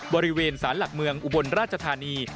บริเวณสารหลักเมืองอุบลราชธานี